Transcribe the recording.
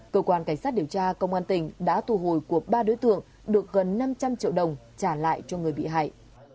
cơ quan cảnh sát điều tra công an tỉnh đã thu hồi của ba đối tượng được gần năm trăm linh triệu đồng trả lại cho người bị hại